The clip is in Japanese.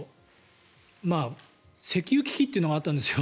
石油危機というのがあったんですよ。